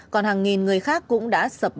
còn hàng nghìn người khác cũng đã sập bẫy